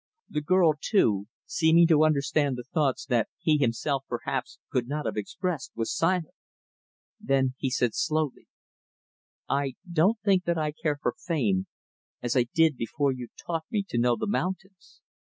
The girl, too, seeming to understand the thoughts that he himself, perhaps, could not have expressed, was silent. Then he said slowly, "I don't think that I care for fame as I did before you taught me to know the mountains.